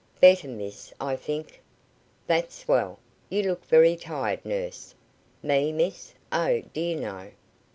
"Better, miss, I think." "That's well. You look very tired, nurse." "Me, miss? Oh, dear, no."